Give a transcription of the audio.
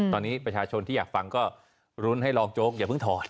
ตอนนี้ประชาชนที่อยากฟังก็รุ้นให้รองโจ๊กอย่าเพิ่งถอด